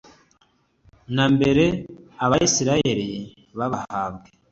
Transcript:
na mbere Abisirayeli bahabwe